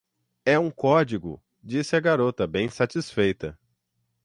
"É um código!”, disse a garota, bem satisfeita